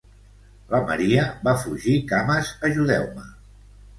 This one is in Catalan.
La Maria va fugir cames ajudeu-me.